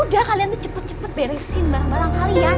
udah kalian tuh cepet cepet beresin barang barang kalian